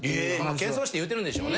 謙遜して言うてるんでしょうね。